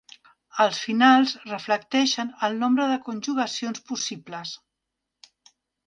Els finals reflecteixen el nombre de conjugacions possibles.